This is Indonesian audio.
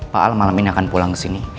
pak al malam ini akan pulang ke sini